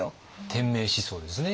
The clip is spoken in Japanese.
天命思想ですね。